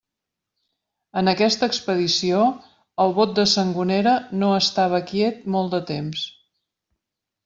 En aquesta expedició, el bot de Sangonera no estava quiet molt de temps.